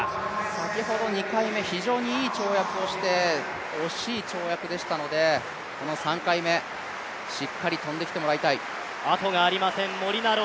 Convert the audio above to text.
先ほど２回目、非常にいい跳躍をして惜しい跳躍でしたので、この３回目、しっかり跳んできてもらいたい。